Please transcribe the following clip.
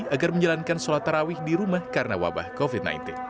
agar menjalankan sholat tarawih di rumah karena wabah covid sembilan belas